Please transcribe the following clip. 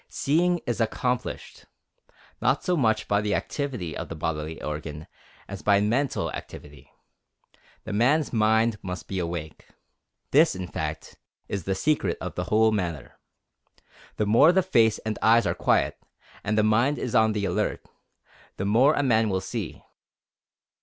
Seeing is accomplished, not so much by the activity of the bodily organ, as by mental activity. The man's mind must be awake. This in fact is the secret of the whole matter. The more the face and eyes are quiet, and the mind is on the alert, the more a man will see.